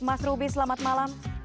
mas ruby selamat malam